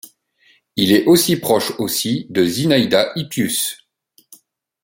Il est aussi proche aussi de Zinaïda Hippius.